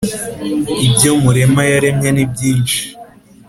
ibyo murema yaremye nibyinshi